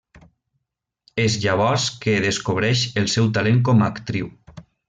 És llavors que descobreix el seu talent com a actriu.